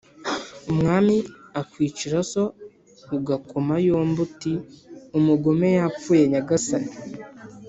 Umwami akwicira so ugakoma yombi uti: umugome yapfuye nyagasani.